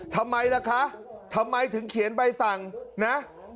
ทำไมล่ะคะทำไมถึงเขียนใบสั่งนะ